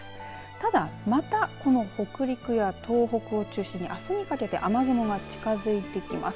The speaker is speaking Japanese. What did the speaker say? ただまたこの北陸や東北を中心にあすにかけて雨雲が近づいてきます。